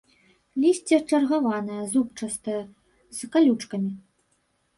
Лісце чаргаванае, зубчастае, з калючкамі.